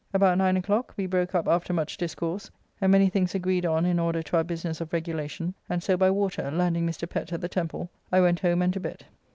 About 9 o'clock we broke up after much discourse and many things agreed on in order to our business of regulation, and so by water (landing Mr. Pett at the Temple) I went home and to bed.